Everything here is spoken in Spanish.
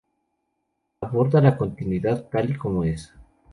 Aborda la cotidianidad tal y como es.